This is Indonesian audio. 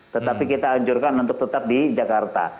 tetapi kita anjurkan untuk tetap di jakarta